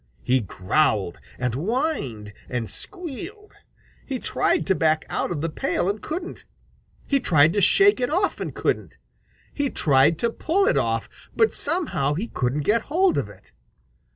He growled and whined and squealed. He tried to back out of the pail and couldn't. He tried to shake it off and couldn't. He tried to pull it off, but somehow he couldn't get hold of it.